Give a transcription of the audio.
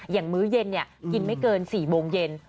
อย่างมื้อเย็นเนี่ยกินไม่เกิน๔โมงเย็น